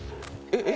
え？